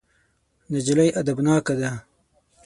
نجلۍ ادبناکه ده.